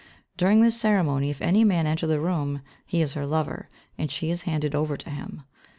During this ceremony if any man enter the room he is her lover, and she is handed over to him.